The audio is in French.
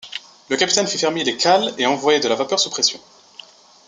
Le capitaine fit fermer les cales et envoyer de la vapeur sous pression.